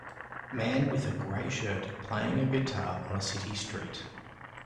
Man with a gray shirt playing a guitar on a city street.